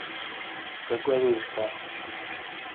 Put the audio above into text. Yessaggad uzekka.